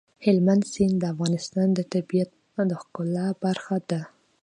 هلمند سیند د افغانستان د طبیعت د ښکلا برخه ده.